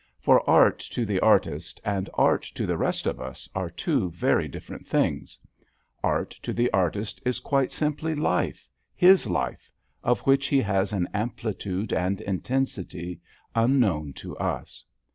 For art to the artist, and art to the rest of us, are two very different things. Art to the artist is quite simply Life, his life, of which he has an amplitude and intensity unknown to us.